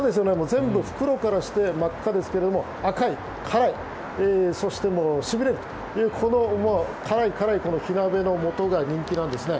全部袋からして真っ赤ですが赤い、辛いそしてしびれるというこの辛い辛い火鍋のもとが人気なんですね。